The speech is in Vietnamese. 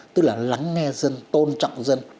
tức là lắng nghe dân tôn trọng dân